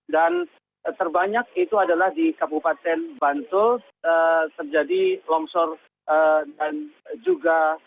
dan terbanyak itu adalah di kabupaten bantul terjadi longsor dan juga